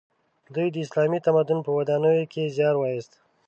دوی د اسلامي تمدن په ودانولو کې زیار وایست.